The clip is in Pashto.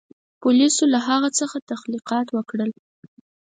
پولیسو له هغه څخه تحقیقات وکړل.